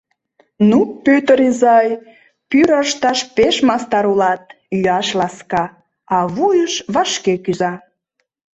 Ну, Пӧтыр изай, пӱрӧ ышташ пеш мастар улат: йӱаш ласка, а вуйыш вашке кӱза.